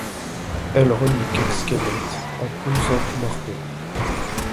Elle relie Kecskemét à Kunszentmárton.